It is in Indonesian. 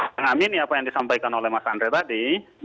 tapi kami ini apa yang disampaikan oleh mas andre tadi